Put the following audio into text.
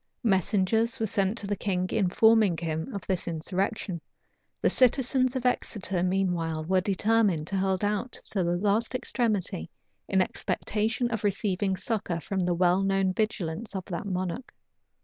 Messengers were sent to the king, informing him of this insurrection: the citizens of Exeter meanwhile were determined to hold out to the last extremity, in expectation of receiving succor from the well known vigilance of that monarch.